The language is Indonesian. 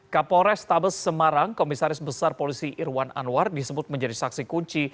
kapolres tabes semarang komisaris besar polisi irwan anwar disebut menjadi saksi kunci